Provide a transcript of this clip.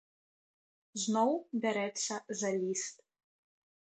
Зноў бярэцца за ліст.